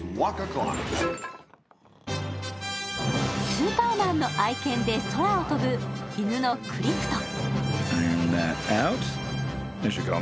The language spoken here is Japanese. スーパーマンの愛犬で、空を飛ぶ犬のクリプト。